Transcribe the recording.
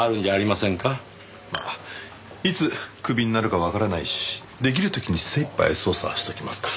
まあいつクビになるかわからないし出来る時に精いっぱい捜査しときますか。